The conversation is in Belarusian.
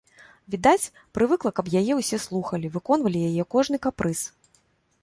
Відаць, прывыкла, каб яе ўсе слухалі, выконвалі яе кожны капрыз.